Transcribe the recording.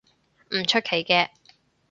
唔出奇嘅